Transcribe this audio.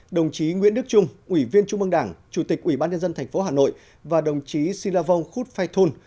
đồng chí nguyễn đức trung ủy viên trung mương đảng chủ tịch ủy ban nhân dân thành phố hà nội và đồng chí silavong khut phai thun